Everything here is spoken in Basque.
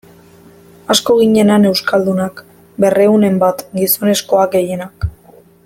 Asko ginen han euskaldunak, berrehunen bat, gizonezkoak gehienak.